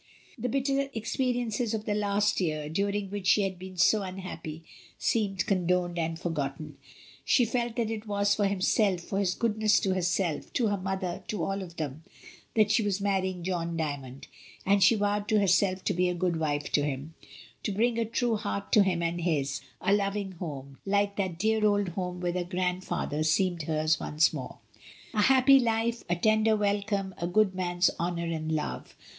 The bitter experiences of the last year, during which she had been so unhappy, seemed condoned and forgotten. She felt that it was for himself, for his goodness to herself, to her mother, to all of them, that she was marrying John Dymond, and she vowed to herself to be a good wife to him, to bring a true heart to him and his: a loving home, like that dear old home with her grandfather, seemed hers once more; a happy life, a tender welcome, a good man's honour and love.